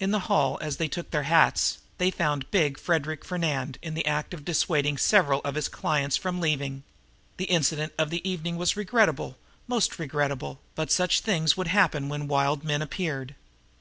In the hall, as they took their hats, they found big Frederic Fernand in the act of dissuading several of his clients from leaving. The incident of the evening was regrettable, most regrettable, but such things would happen when wild men appeared.